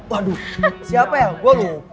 waduh siapa ya gue loh